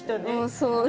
そう。